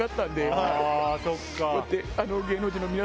こうやって。